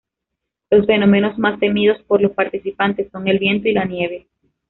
Los fenómenos más temidos por los participantes son el viento y la nieve.